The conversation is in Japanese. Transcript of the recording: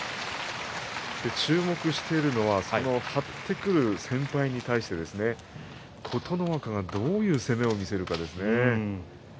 注目してるのは張ってくる先輩に対して琴ノ若がどういう攻めを見せるかですね。